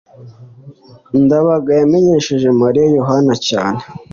ndabaga yamenyesheje mariya yohana cyane